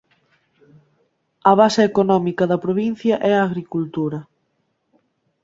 A base económica da provincia é a agricultura.